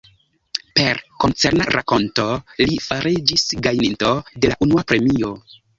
Per koncerna rakonto li fariĝis gajninto de la unua premio.